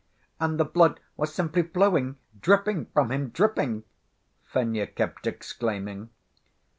"And the blood was simply flowing, dripping from him, dripping!" Fenya kept exclaiming.